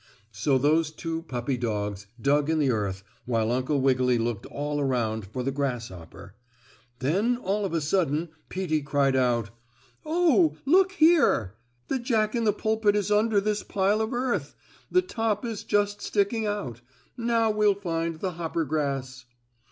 So those two puppy dogs dug in the earth while Uncle Wiggily looked all around for the grasshopper. Then, all of a sudden, Peetie cried out: "Oh! Look here! The Jack in the Pulpit is under this pile of earth! The top is just sticking out. Now, we'll find the hoppergrass."